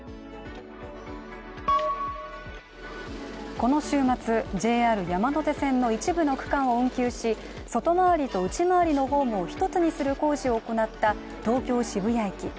この週末、ＪＲ山手線の一部の区間を運休し外回りと内回りのホームを一つにする工事を行った東京・渋谷駅。